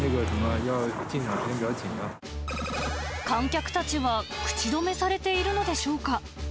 観客たちは口止めされているのでしょうか。